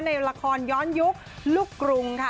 ในละครย้อนยุคลูกกรุงค่ะ